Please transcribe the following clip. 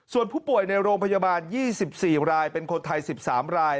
ส่วนผู้ป่วยในโรงพยาบาล๒๔รายเป็นคนไทย๑๓ราย